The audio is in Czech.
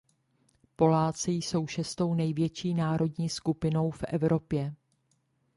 Poláci jsou šestou největší národní skupinou v Evropě.